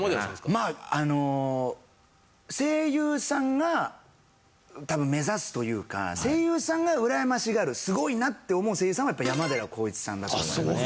まああの声優さんが多分目指すというか声優さんがうらやましがるすごいなって思う声優さんは山寺宏一さんだと思います。